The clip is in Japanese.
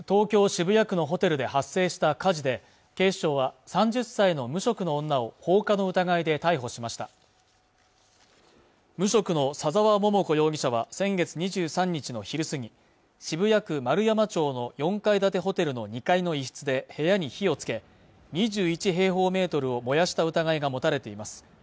渋谷区のホテルで発生した火事で警視庁は３０歳の無職の女を放火の疑いで逮捕しました無職の左沢桃子容疑者は先月２３日の昼過ぎ渋谷区円山町の４階建てホテルの２階の一室で部屋に火をつけ２１平方メートルを燃やした疑いが持たれています